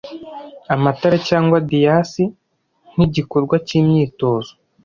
amatara cyangwa diyasi nkigikorwa cyimyitozo